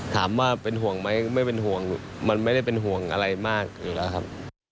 ถามว่าเป็นห่วงไหมไม่เป็นห่วงมันไม่ได้เป็นห่วงอะไรมากอยู่แล้วครับ